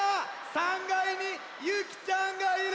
３がいにゆきちゃんがいる！